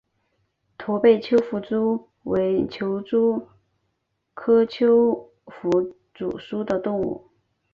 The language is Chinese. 驼背丘腹蛛为球蛛科丘腹蛛属的动物。